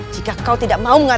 jika kau tidak mau mengatakan